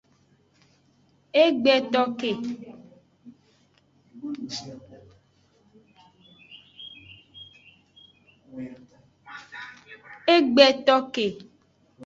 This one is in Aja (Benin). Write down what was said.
E gbe to ke.